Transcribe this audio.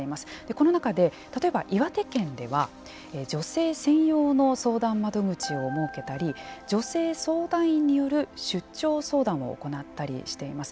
この中で、例えば岩手県では女性専用の相談窓口を設けたり女性相談員による出張相談を行ったりしています。